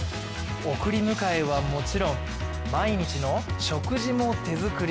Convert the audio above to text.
送り迎えはもちろん、毎日の食事も手作り。